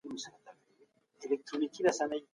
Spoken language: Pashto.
بد عيب لټوونکي به هلاک سوي وي.